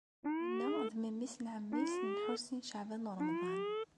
Winna d memmi-s n ɛemmi-s n Lḥusin n Caɛban u Ṛemḍan.